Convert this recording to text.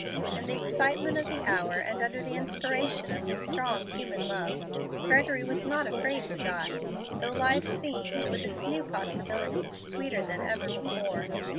In the excitement of the hour, and under the inspiration of his strong human love, Gregory was not afraid to die, though life seemed, with its new possibilities, sweeter than ever before.